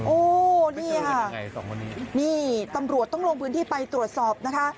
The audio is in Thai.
โอ้นี่ค่ะนี่ตำรวจต้องลงพื้นที่ไปตรวจสอบนะคะ